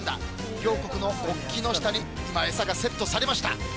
両国の国旗の下に餌がセットされました。